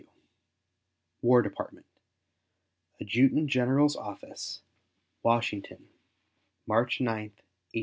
WAR DEPARTMENT, ADJUTANT GENERAL'S OFFICE, Washington, March 9, 1874.